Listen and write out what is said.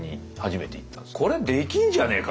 「これできんじゃねえか」